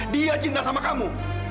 dia cinta sama kamu